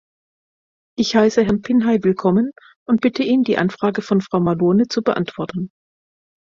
Ich heiße Herrn Pinheiwillkommen und bitte ihn, die Anfrage von Frau Malone zu beantworten.